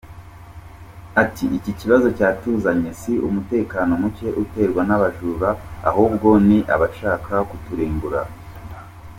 Ati « Iki kibazo cyatuzanye si umutekano muke uterwa n’abajura ahubwo ni abashaka kuturimbura.